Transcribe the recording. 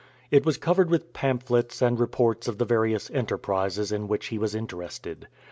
It was covered with pamphlets and reports of the various enterprises in which he was interested.